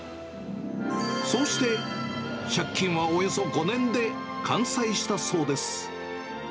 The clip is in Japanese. そうして借金はおよそ５年で完済したそうです。